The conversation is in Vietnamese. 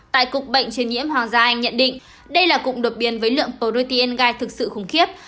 tại cục bệnh truyền nhiễm hoàng gia anh nhận định đây là cụm đột biến với lượng protein gai thực sự khủng khiếp